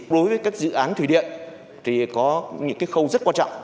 đối với các dự án thủy điện thì có những khâu rất quan trọng